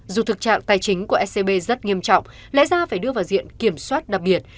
dù thực trạng tài chính của scb rất nghiêm trọng lẽ ra phải đưa vào diện kiểm soát đặc biệt